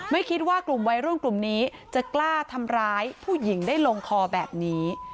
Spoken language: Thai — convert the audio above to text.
ไม่คิดว่ากลุ่มวัยรุ่นกลุ่มนี้จะกล้าทำร้ายผู้หญิงได้ลงคอแบบนี้